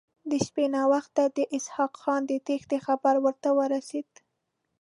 د شپې ناوخته د اسحق خان د تېښتې خبر ورته ورسېد.